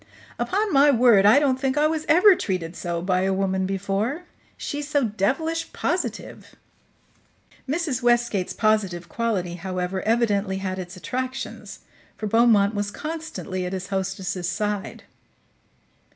Upon my word I don't think I was ever treated so by a woman before. She's so devilish positive." Mrs. Westgate's positive quality, however, evidently had its attractions, for Beaumont was constantly at his hostess's side.